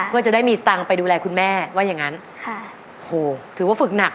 เพื่อจะได้มีสตังค์ไปดูแลคุณแม่ว่าอย่างงั้นค่ะโหถือว่าฝึกหนัก